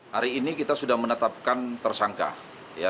hari ini kita sudah menetapkan tersangka